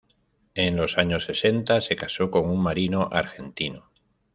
En los años sesenta se casó con un marino argentino.